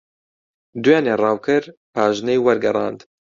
دوێنێ ڕاوکەر پاژنەی وەرگەڕاند.